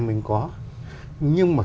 mình có nhưng mà